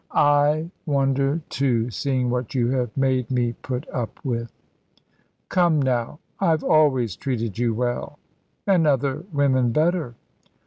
"I wonder, too, seeing what you have made me put up with." "Come, now, I've always treated you well." "And other women better."